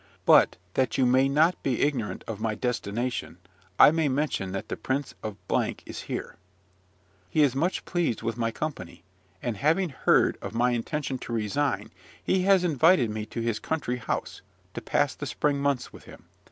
But, that you may not be ignorant of my destination, I may mention that the Prince of is here. He is much pleased with my company; and, having heard of my intention to resign, he has invited me to his country house, to pass the spring months with him.